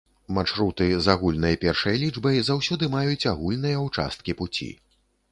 Маршруты з агульнай першай лічбай заўсёды маюць агульныя ўчасткі пуці.